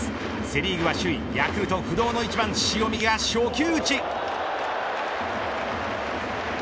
セ・リーグは首位ヤクルト不動の一番塩見が初球打ち。